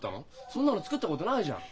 そんなの作ったことないじゃん。